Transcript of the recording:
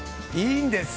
いいんです！